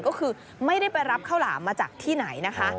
ก็คือไม่ได้ไปรับข้าวหลามมาจากที่ไหนนะคะ